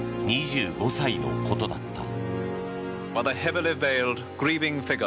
２５歳のことだった。